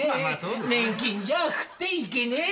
年金じゃあ食っていけねえでねぇ。